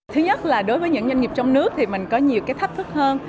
thứ nhất là đối với những doanh nghiệp trong nước thì mình có nhiều cái thách thức hơn